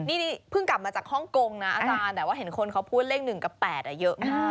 นี่เพิ่งกลับมาจากฮ่องกงนะอาจารย์แต่ว่าเห็นคนเขาพูดเลข๑กับ๘เยอะมาก